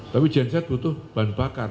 tapi genset butuh bahan bakar